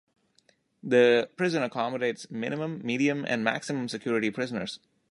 The prison accommodates minimum-, medium- and maximum-security prisoners.